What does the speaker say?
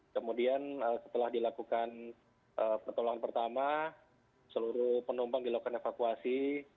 kemudian setelah dilakukan pertolongan pertama seluruh penumpang dilakukan evakuasi